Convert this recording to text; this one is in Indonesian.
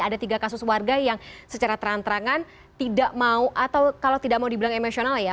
ada tiga kasus warga yang secara terang terangan tidak mau atau kalau tidak mau dibilang emosional ya